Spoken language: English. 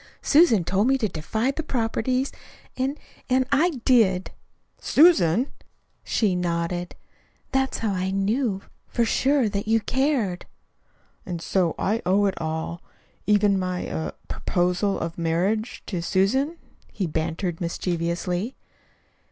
"Susan told me to defy the 'properties' and and I did it." "Susan!" She nodded. "That's how I knew for sure that you cared." "And so I owe it all even my er proposal of marriage, to Susan," he bantered mischievously.